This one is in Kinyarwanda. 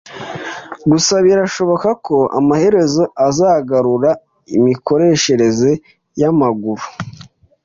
Gusa birashoboka ko amaherezo azagarura imikoreshereze yamaguru